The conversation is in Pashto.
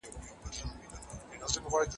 پاڼه ټوله ورځ په صالون کې ناسته وه.